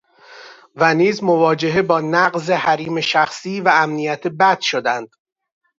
و نیز مواجهه با نقض حریم شخصی و امنیت بد شدند